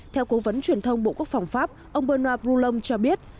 theo cố vấn truyền thông bộ quốc phòng pháp ông bernard broulon cho biết